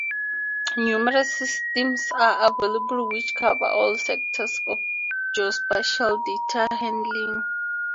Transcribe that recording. Numerous systems are available which cover all sectors of geospatial data handling.